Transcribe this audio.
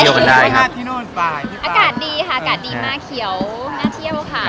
อากาศดีมาหญ่เขียวน่าเที่ยวค่ะ